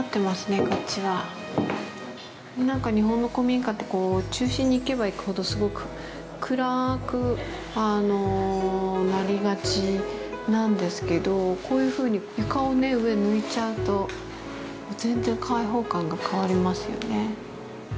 なんか、日本の古民家って、こう中心に行けば行くほどすごく暗くなりがちなんですけど、こういうふうに床をね、上、抜いちゃうと、全然、開放感が変わりますよね。